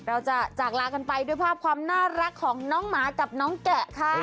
จากลากันไปด้วยภาพความน่ารักของน้องหมากับน้องแกะค่ะ